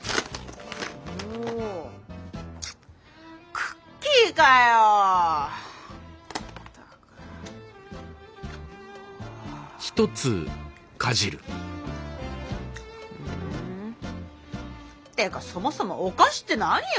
クッキーかよ！っていうかそもそもお菓子って何よ。